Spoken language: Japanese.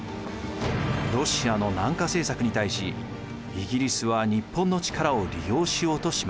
ロシアの南下政策に対しイギリスは日本の力を利用しようとします。